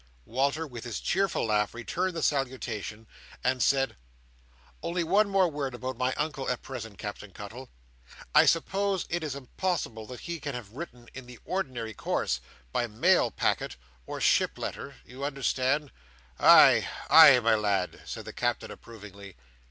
Walter, with his cheerful laugh, returned the salutation, and said: "Only one word more about my Uncle at present, Captain Cuttle. I suppose it is impossible that he can have written in the ordinary course—by mail packet, or ship letter, you understand—" "Ay, ay, my lad," said the Captain approvingly.